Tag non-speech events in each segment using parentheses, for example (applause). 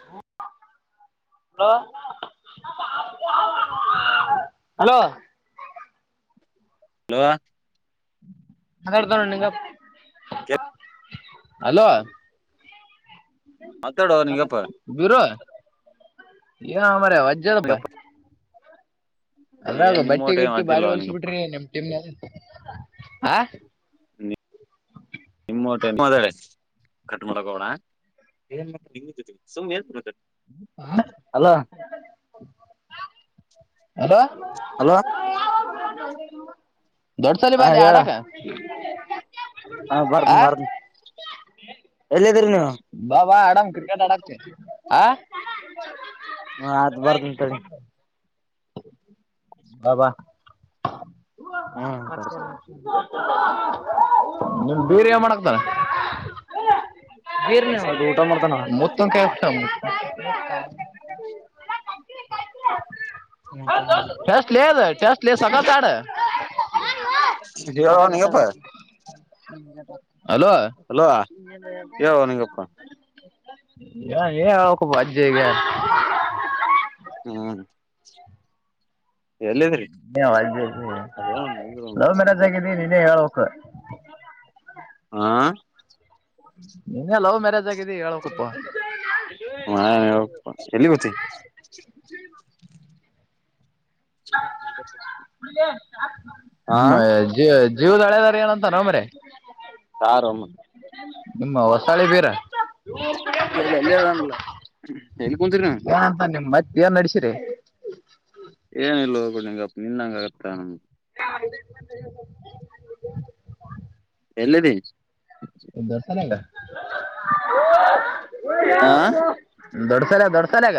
ಹ್ಮ hello hello hello ಮಾತಾಡ್ತಾ ನೋಡ ನಿಂಗಪ್ಪ ಕೆ ಹಲೋ ಮಾತಾಡುವ ನಿಂಗಪ್ಪ ಬರೋ ವಾಜದಪ್ಪ ನಿಂಗಪ್ಪ ಏನ್ ಅದ್ರಾಗ ನಿಮ್ಮ ಊಟ ಬಟ್ಟೆಗ ಇಟ್ಟು ಬಾರಿ ಅಜ್ಜಿಲ್ವ ಹೊಲ್ಸ ನಿಂಗಪ್ಪ ಬಿಟ್ರಿ ನಿಮ್ ಟೀಮ್ ಹ ನಿಮ್ಮ ಕಟ್ ಮಾಡಕೋಬಡ ಹ ಹಲೋ ಹಲೋ ದೊಡ್ಡಸಲಿ ಹಾ ಬಾಲಿ ಹೇಳ ಆಡಕ ಆ ಎಲ್ಲಿದ್ದ್ರಿ ನೀವು ನ ಕ್ರಿಕೆಟ್ ಆಡಕ ಹ ಹ ಅ ಬಾರ್ದಂತಳಿ ಬಾಬಾ ಹ್ಮ್ ಹ ಬರ್ ನಿಮ್ ಬೀಗ್ರೆ ಮಾಡಕೊಂತಾರೆ ಬರ ಅದು ಊಟ ಮಾಡ್ತಾನ ಮುತ್ತು ಕಟ ಹ ಟೆಸ್ಟ್ ಲೇ ಅದು ಟೆಸ್ಟ್ ಸಾವಕಾಶ ಹಾಡು ಹೇಳೋ ನಿಂಗಪ್ಪ ಹಲೋ ಹಲೋ ಹೇಳೋ ನಿಂಗಪ್ಪ ಯ ಏ ಅವಕಬ ಅಜ್ಜೆಗ ಹಾ ನೀದ ಅದ ಲವ್ ಮ್ಯಾರೇಜ್ ಆಗಿದ್ದಿ ನೀನ್ನೇ ಹೇಳು (inaudible) ಹಾ ನೀನಲವ್ ಮ್ಯಾರೇಜ್ ಆಗಿದಿ ಹೇಳ್ಬೇಕಪ್ಪ ಹ ಎಲ್ಲಿ ಗೋತಿ ಹಾ ನಿಮ್ಮ ಅಜ್ಜಜ್ ಜೀವದಳ್ಯದರಏನ ಅಂತನೋ ಮರೇ ಸಾರಮ್ಮ ನಿಮ್ಮ ಹೊಸ ಅಲೆದಾರ್ ಇ ಎಲ್ಲ ಎಲ್ಲಂಗಲ್ಲ ಎಲ್ಲಿ ಕುಂತೀರಿ ನೀವು ಯನ್ ನಡಸಿರಿ ಏನ ಇಲ್ ಹೋಗಂಗಪ್ಪ ನಿನ್ಂಗ ಆಗತ್ತ ಹ ಎಲ್ಲಿದಿ ಈ ಕಡೆ ಸಲ್ಯಾಗ್ ಆ ದೊಡ್ಡಸಾಲೆಗ ದೊಡ್ಸಾಲಯಾಗ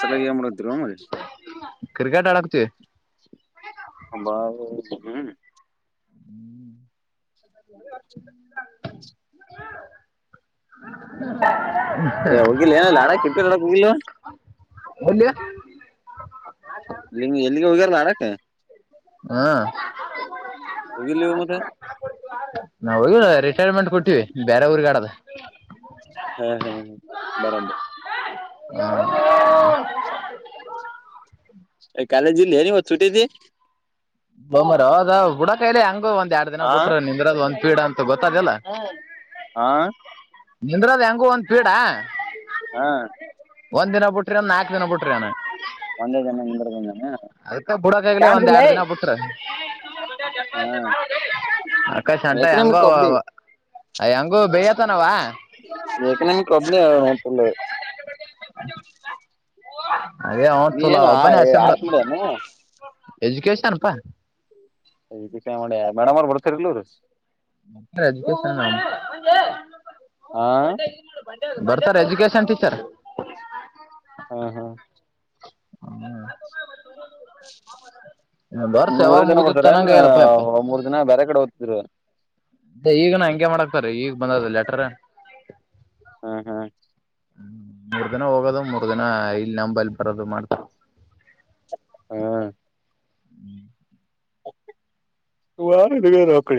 ಸಲಾಗಿ ಏನ್ ಮಾಡತಿರೋ ಮರಿ ಕ್ರಿಕೆಟ್ ಆಡಕ್ಚ ಹಂಬ ಹ್ಮ್ ಹ್ಮ್ ಹ ಏ ಹೋಗಿಿಲ್ಲ ಏನ ಅಲಿ ಕ್ರಿಕೆಟರ್ ಆಡ ಕ ಹೋಗಿಿಲ್ಲ ಒನ್ಯ ಎಲ್ಲಿಗೆ ಹೋಗ್ಯಾರಲ್ಲ ಆಡಕ್ಕೆ ಹ್ಮ ಹೋಗಿಲ್ಲಿವು ಮತ್ತೆ ನಾವು ಹೋಗ ರಿಟೈರ್ಮೆಂಟ್ ಕೊಟ್ಟಿವವಿ ಬೇರೆ ಊರ್ಗ ಆಡದ ಹಾ ಹಾ ಹ ಬರಬರ್ ಹ ಎ ಕಾಲೇಜಿ ಇಲ್ಲ ಏನು ಇವತ್ತು ಸುಟ್ಟಿದಿ ಬೊಮ್ಮರ ಅದ ಬುಡ ಕೈಲಿ ಹೆಂಗ ಒಂದ ಎರಡ್ ದಿನ ಹಾ ಬಿಟ್ರ ನಿಂದ್ರದ ಒಂದ್ ಪೀಡ್ ಅಂತ ಗತ್ತದಲ್ಲ ಆಾ ನಿಂದ್ರದ್ ಹೆಂಗು ಒಂದ್ ಪೀಡ ಹಾ ಒಂದ್ ದಿನ ಬಿಟ್ರಿಂದ ನಾಕಕ್ ದಿನ ಬಿಟ್ರಿ ಅಾನ ಒಂದೇ ದಿನ ಇಂದ್ರಧನು ಅದಕ್ಕ ಬಿುಡಕ ಆಾಗಲಿ ಒಂದ್ ಎರಡ್ ದಿನ ಬಿಟ್ರ ಹ್ಮ್ ಆಕಾಶ್ ಅಂಟ ಹೆಂಗ ಯಕನಮ ಕೊಬಲತಲ್ಲ ಅದೇ ಅವ ನೀ ಏನು ತುಲಾವ ಬನ್ಸಮ ಆರ್ಟ್ಸ್ ಮಾಡ್ಯಾನ ಎಜುಕೇಶನ್ಪಾ ಮಾಡ ಮೇಡಮ್ ಅವ್ ಬರ್ತರ್ಲ್ಲ ಅದ ಹಾ ಬರ್ತಾರೆ ಎಜುಕೇಶನ್ ಟೀಚರ್ ಹಾ ಹಾ ಹ್ಮ್ ವರ್ಷ ಯಾವಾಗ ಮೂರೇ ದಿನ ಮುಗ್ದಿತ್ತು ಬರ್ತಾರ ಅನ್ ಅನ್ನಂಗ ಆಗ್ಯದಪ್ಪ ಯಪ್ಪ ಮೂರ್ ದಿನ ಬೇರೆ ಕಡೆ ಹೋಗದ್ತಿದ್ರ ಅ ಈಗನ ಹಂಗಗೆ ಮಾಡಕ್ತಾರ ಈಗ ಬಂದದ ಲೆಟರ್ ಹ್ಮ್ ಹ್ಮ್ ಹ್ಮ್ ಮೂರ್ ದಿನ ಹೋಗೋದ ಮೂರ್ ದಿನ ಇಲ್ ನಂಬಲ್ ಬರದು ಮಾಡ್ತ ಹ್ಮ್ ಹ್ಮ್ ತು ಆಾರ ತುಗ ಹಕಳ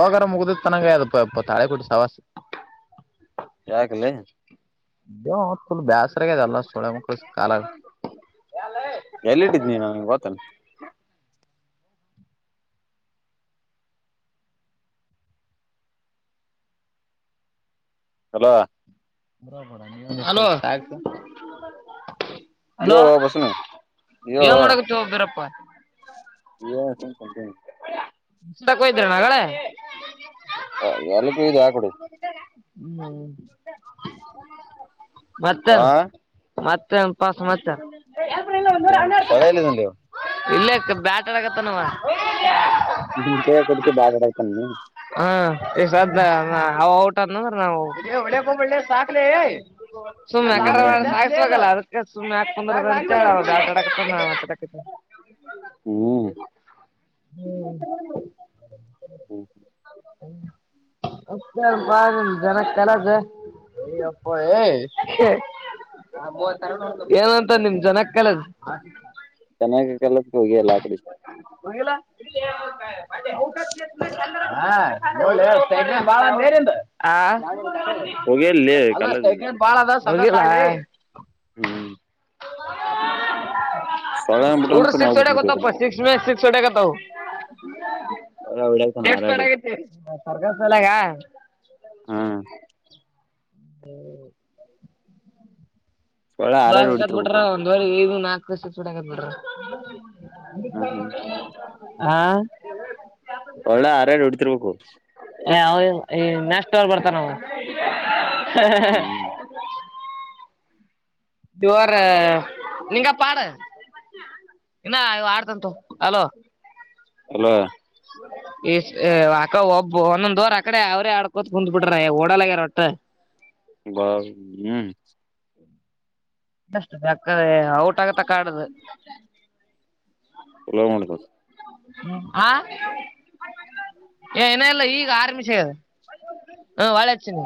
ವಕರ ಮುಗ್ದ ತನಂಗ ಅ ಇ ತಾಳೆ ಕೂಟ್ಟಿ ಸವಾಾಸ ಯಾಕ್ಲ ಇ ತಲ್ ಬ್ಯಾಸ್ರಗದ ಅಲ್ಲ ೋಡ ಮುಖ ಕಲ್ಲ ಎಲ್ಲಿಟ್ಟಿದ್ ನೀ ನನಗೆ ಗೊತ್ತೇನ್ ಹಲೋ ಬರಬ ನೀೋ ಹಲೋ ಹೇಳು ಬಸನು ಯಏ ಮಾಡಕುತ್ತ ಬಿರಪ್ಪಾ ಇ ತಕಯಿದ್ರಣಗಳೆ ಹ ಎಲ್ಲಕ್ಕೂ ಇದೆ ಆಕಡು ಹ್ಮ್ ಹಾ ಬರ್ತಲ್ಲ ಮತ್ತೆ ಒ ಪಸ್ ಮತ್ತೆ ಸೊಳೆಲ್ಲಿದನಲ್ಲಿ ಇಲ್ಲ ಬ್ಯಾಟ ಆಗತ್ತ ನವ ನಿ ಕ ಕುಡಕ್ಕೆ ಬಾಡಾಯ್ತಾನಿ ಹ ಎಷ್ಟ ಅವ ಊಟ ನಾವು ಒಳ್ಳೆ ಹೋಗಬಳ್ಳೆ ಸಾಕ್ಲಿ ಸುಮ್ನೆ ಹ್ಮ್ ಕಲ್ಲ ಹ್ಮ್ ಹ್ಮ್ ಅದ ಎು ಪಂದ ಹ್ಮ್ ಹ್ಮ್ ಹ್ಮ ಹೌ ಅಪ್ಪ ಬ ಜನ ಕೆಲ್ಲಸ ನೀ ಅಪ್ಪ ಏನಂತ ನಿಮ ಜನಕ್ ಕಲದ ಕಲ್ಲ ಹೋಗಿಲ್ಲಾಕಡಿ ಹ ಬಾಳ ಮೇರೆ ಹ ಹೋಗಿ ಅಲ್ಲಿ ಅದಷ್ಟ ಕಲದ ಬಾಳ ಅದ ಹ್ಮ್ ಸಳ ಮುಟಂತ ಸ ಹೊಟ ಕತ್ತ ಸಸ್ ಸಸ್ ಹೊಟೆ ಕತ್ತವು ಸೊಳ್ಳೆ ಹೊಡತಾನ ಎಷ್ಟ ಹಾರಾಡಿ ಆಗ ಸರ್ ಳಗ ಹಾ ಸೊಳ್ಳೆ ಬಾಗ ಹಾರಾಡಿ ಕತ್ ಬಿಟ್ರ ಹೊಡಿತಿರ್ಬೇಕು ಒಂದ್ವರೆ ತ್ಷ ಚೂಡತ್ ಬಿಡ್ರ ಹ್ಮ್ ಹ್ಮ್ ಆ ಒಳ್ಳ ಆರ್ಯ ನೋಡ್ತಿರ್ಬೇಕು ಈ ನೆಸ್ರ್ ಬರ್ತಾನ ಹ್ಮ್ ಇವರ ನಿಂಗ ಪಾಡು ಇನ್ನ ಇ ಆಡ್ತಂತು ಅಲೋ ಅಲೋ ಇ ಅಕ್ಕ ಒಬ್ಬ ಒಂದೊಂದ ದೋರ್ ಅಕಡೆ ಅವ್ರ ಆಡ್ಕೋತ್ ಕುಂದ್ ಬಿಟ್ರ ಓಡಲಗ್ಯಾರ ಒಟ್ಟ ಹ ಬ ಹ್ಮ್ ಷ್ಟ ಯಾಕ್ರೆ ಔಟ್ ಆಗತ್ತ ಕಾಡದು ಎಲ ಮಾಡ ಬ ಹ್ಮ ಹ ಏ ಏನಲ್ಲ ಈಗ ಆರ್ಮಿ ಸದು ಹಾ ವಾಳಚನ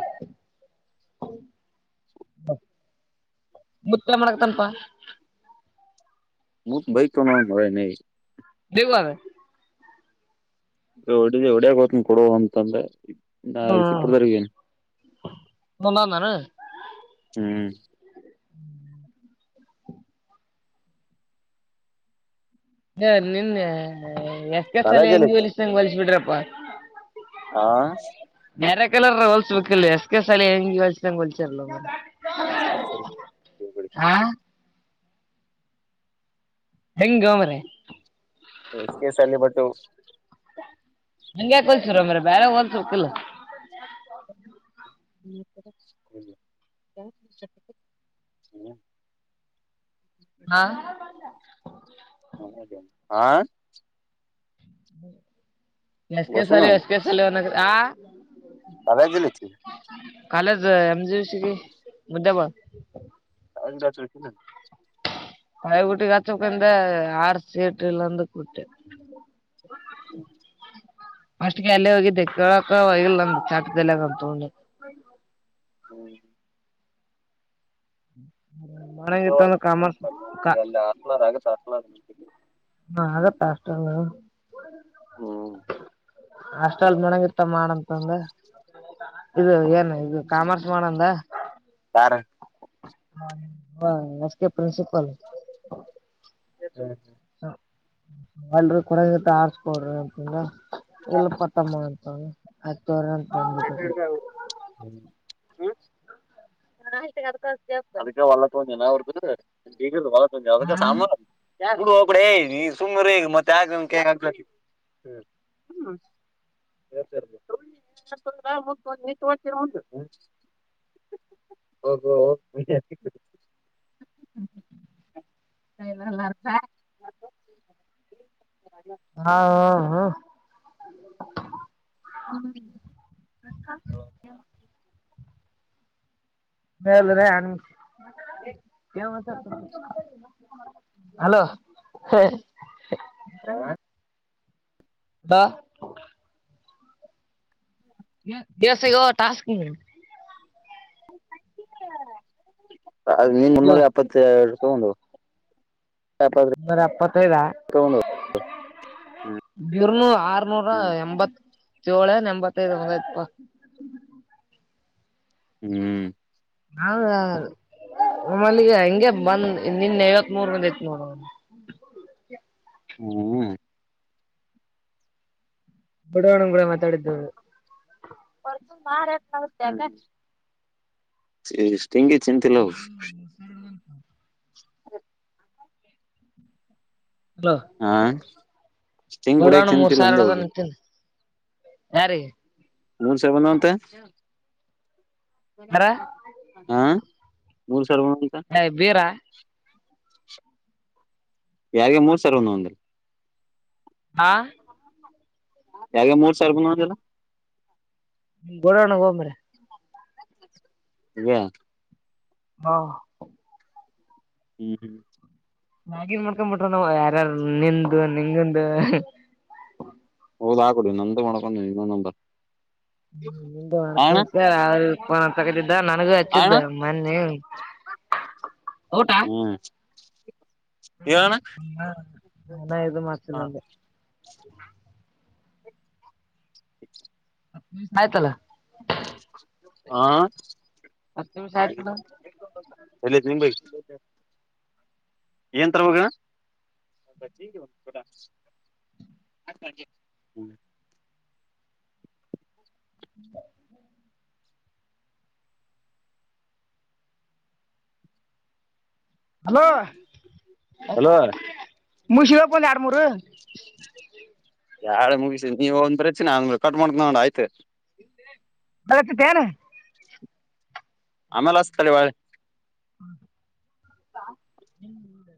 ಮುುತ್ತ ಮಾಡಕತನ್ಪ ಹಟ ಭೈ ಕಮ ನ ದವುಾವ ಹೊಡ ಹೊಡಿಯಾಗ ಹತನ ಕೊಡುವ ಅಂತಂದ್ರೆ ನಾ ಸಿಪ್ರದರ್ಗ ಏನು ನಂದಂದಾನ ಹ್ಮ್ ಸ ನಿನ್ನ ಎಕ್ಕಸಲ ಕಾಲೇಜಲ್ಲಿ ಹೆಂಗಿ ಹೊಲಿಸ್ದಂಗ ಹೊಲಸ್ ಬಿಡ್ರಪ್ಪಾ ಹಾ ಬೇರೆ ಕಲರ್ ರೋಲ್ಸ್ ಬೇಕಲ್ ಎಸ್ ಕೆ ಸಾಲ ಹೆಂಗಿ ಹೊಲ್ಸಂಗ ಹೊಲ್ಚರ್ಲ್ಲ ರಿ ಹೆಂಗ್ ಗ ಮರ ಎಸ್ ಕೆಸ್ ಅಲ್ಲಿ ಬಟ್ಟು ಹಂಗಗೆ ಯಾಕಲ್ಸರ ಮ್ರ ಬೇರೆ ಹೋಲ್ಸಕಲ್ಲ (inaudible) ಹಾ ಹ ಆ ಎಸ್ ಕೆ ಸವಾಲ ಬಸನು ಎಸ್ ಕೆ ಸಾಲನ್ನ ಹ ಕಾಲೇಜಲ್ಲಿ ಐತಿ ಕಾಲಜ ಎಮಜ ಸಿ ಮು್ದ್ಯ ಬಳ ಅಂದಾಜುಸ ಮಯಗಟ್ಟಿ ಕತ್ತಕ್ಕಿಂದ ಆರ್ಸ ಎಟಲ್ಲಂದು ಕಟ್ಟ (inaudible) ಅಷ್ಟಗೆ ಅಲ್ಲ ಹೋಗಿ ಕ್ಕಳಕ ಹಗಲ್ಲ ಚಾಟದೆಲ್ಲ ಅಂತ್ಕೊಂಡ ಹ್ಮ್ ಉಗ್ರವ ಅಲ್ಲಿ ಕಾ ಹನ ಆಗುತ್ತೆ ಹನ ಹಾ ಅ ಪಸ್ಲ್ಲ ಅಷ್ಟ ಅಲ್ ಮಣಂಗ ಇರ್ತ್ತ ಮಾಡಂ ಂದ ಇದು ಏನ್ ಇದು ಕಾಮರ್ಸ್ ಮಾಡಂದ ಸ ಹ ಹ ಎಸ್ ಕೆ ಪ್ರಿನ್ಸಿಪಲ್ ಹ ಎಲ್ರಿ ಕೊಡಂಗಂತ ಆರ್ಸ್ಕೊಡ್ರಿ ಅಂತಂಗ ಎಲ್ಲ ಕೊತ್ತಮ್ಮ ಅಂತಯತ ಚಟ್ಟ ಹ ಅ ತ ಜಗಚ ಸಂಬಾನ ಯಾಡೆ ನೀ ಸುಮ್ನೆರ ಈಗ ಮತ್ತ ನೀನು ತೋರಿಸು ಹಬ ನಲ್ಲತ ಹಾ ಹಾ ಹಾ ಹ್ಮ್ ಬಲ್ಲ ರ ಕೆ ಹಲೋ ಬರ ಬಾ ದೇಿವಸಗ ಟಾಸ್ಕ್ ಅ ನೀನ್ ಹಲೋ ಮುನ್ನೂರ ಎಪ್ಪತ್ತ ಎರಡು ಸ ಒಂದು ನೂರ ಎಪ್ಪತ್ತೈದ ಹ್ಮ್ ಬರುನು ಆರ್ನೂರ ಎಂಬತ್ ಜೋಳ ಎಂಬತ್ತೈದು ಹಪ್ಪಾ ಹ್ಮ್ ಹೌದ ನಮ್ಮಲ್ಲಿಗೆ ಹಂಗೆ ಬಂದ್ ನಿನ್ನ ಐವತ್ ಮೂರ್ ಮಂದ ಐತ್ ನೋಡ ಹ್ಮ್ ಬುಡವಣ ಕೂಡ ಮಾತಾಡಿದ್ದವರು ಿಂಗಿ ಚಿಂತಲ ಹ ಹ್ಮ ಹಲೋ ಹಾ ಸ್ಟಿಂಗ್ ಬಡೋಣ ಕುಡಿಯಕ್ ಮೂರ್ ತಿಂತಿಲ್ಲ ಸಾವಿರ ಅಂದೆ ಆಡದ ಅವಗೆ ನಿಂತೀನಿ ಯಾರೀ ಮೂರ್ ಸಾವಿರ ಬಂದವ ಅಂತ ಯಾರ ಹಾ ನೂರು ಸರ್ಿಕ ಏ ಬೀರಾ ಯಾರಗೇ ಮೂರ್ ಸಾವಿರ ರ ಒಂದು ಒಂದ ಆ ಯ ಮೂರ್ ಸಾವಿರ ಬಂದಂದಲ್ಲ ನಿ ಗೊಡೋಣ ಹೋಗ ಮ್ರೆ (unintelligible) ಹಾ (unintelligible) ನನ್ ಮಾಡ್ಕೊ ಬಿಟ್ರ ನಾವ್ ಯಾರಾರು ನಿಂದು ನಿಂಗಂದು ಹೌದ್ಕಡಿ ನಂದು ಮಾಡೋಕೊಂಡ ಇನ್ನೊ ನಂದ (unintelligible) ನನಗೂ ಫೋನ್ ಆ ಹಚ್ಚಿದ್ದ ಅಣ್ಣ ಮೊನ್ನಿ ಹ್ಮ ಣ ನಾನ ಇದು ಮಾಡ್ಸಿಲ್ಲ ಹಾ ಅಂದೆ ಹ ಸಯತಲ್ಲ ಹ ಹತ್ತು ನಿಮಿಷ ಆಯ್ತಲ್ಲ (unintelligible) ಏನ್ ತರ ಬೇಕಣ್ಣಾ (unintelligible) (unintelligible) (unintelligible) ಹಲೋ ಹಲೋ ಮುಶಿದಪ್ಪಂದು ಎರಡ ಮೂರು ಯಾಳ ಮುಗಿಸಿ ನೀವು ಒಂದ್ ಪ್ರಚನೆ ಅಂದ್ಮೇ ಕಟ್ ಮಾಡ್ಕ ನೊಂಡ್ ಆಯ್ತು (unintelligible) ಆಮೇಲೆ ಹಸ್ತಾನ ತಡಿ (unintelligible)